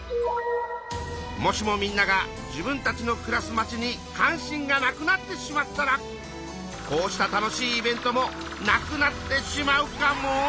もしもみんなが自分たちのくらすまちに関心がなくなってしまったらこうした楽しいイベントもなくなってしまうかも！？